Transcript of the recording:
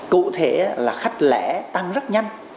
cụ thể là khách lẽ tăng rất nhanh